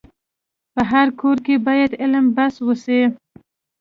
په هر کور کي باید علم بحث وسي.